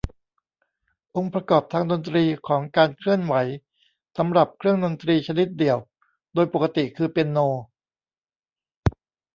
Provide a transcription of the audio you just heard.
องค์ประกอบทางดนตรีของการเคลื่อนไหวสำหรับเครื่องดนตรีชนิดเดี่ยว โดยปกติคือเปียโน